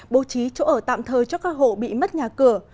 bố trí chỗ ở tạm thời cho các hộ bị mất nhà cửa